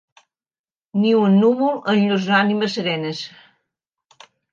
Ni un núvol en llurs ànimes serenes.